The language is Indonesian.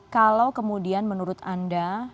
kalau kemudian menurut anda